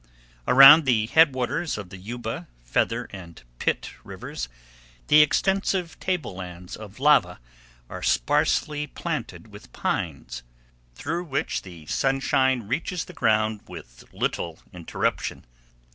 Around the head waters of the Yuba, Feather, and Pitt rivers, the extensive tablelands of lava are sparsely planted with pines, through which the sunshine reaches the ground with little interruption.